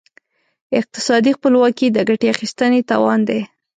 اقتصادي خپلواکي د ګټې اخیستنې توان دی.